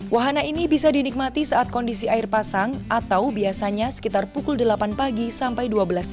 wahana ini bisa dinikmati saat kondisi air pasang atau biasanya sekitar pukul delapan pagi sampai dua belas siang